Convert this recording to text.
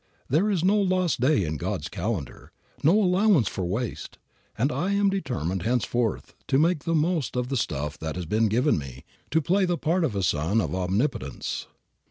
There is no lost day in God's calendar, no allowance for waste, and I am determined henceforth to make the most of the stuff that has been given me, to play the part of a son of Omnipotence."